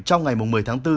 trong ngày một mươi tháng bốn